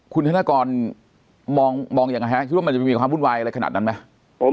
คุณธนกรมองยังไงฮะคิดว่ามันจะมีความวุ่นวายอะไรขนาดนั้นไหม